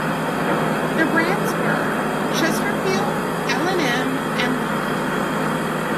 The brands were: Chesterfield, L and M, and Lark.